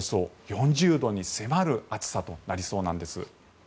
４０度に迫る暑さとなりそうなんです。